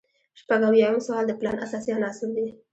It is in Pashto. شپږ اویایم سوال د پلان اساسي عناصر دي.